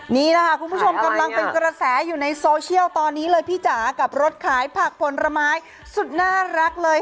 นี่แหละค่ะคุณผู้ชมกำลังเป็นกระแสอยู่ในโซเชียลตอนนี้เลยพี่จ๋ากับรถขายผักผลไม้สุดน่ารักเลย